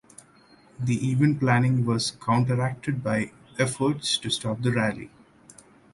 The event planning was counteracted by efforts to stop the rally.